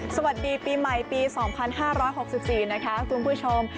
สวัสดีปีใหม่ปีสองพันห้าร้อยหกสิบสี่นะคะคุณผู้ชม